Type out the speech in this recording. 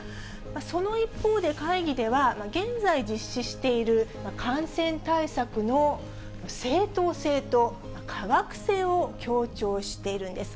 その一方で会議では、現在実施している感染対策の正当性と科学性を強調しているんです。